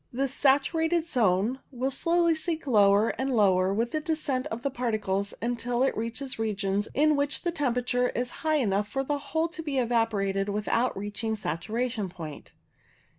This saturated zone will slowly sink lower and lower with the descent of the particles, until it reaches regions in which the temperature is high enough for the whole to be evaporated without reaching saturation point.